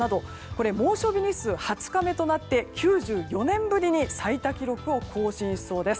これ、猛暑日数２０日目となって９４年ぶりに最多記録を更新しそうです。